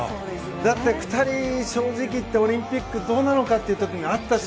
だって２人、正直言ってオリンピックどうなのかっていう時もあったし。